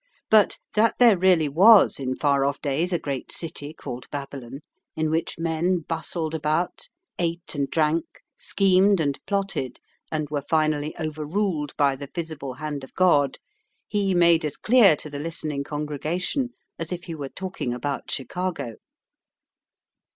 But that there really was in far off days a great city called Babylon, in which men bustled about, ate and drank, schemed and plotted, and were finally overruled by the visible hand of God, he made as clear to the listening congregation as if he were talking about Chicago.